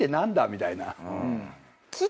みたいな。